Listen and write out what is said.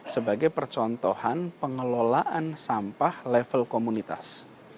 sebagai percontohan pengelolaan sampah level komunitas